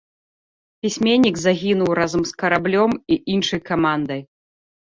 Пісьменнік загінуў разам з караблём і іншай камандай.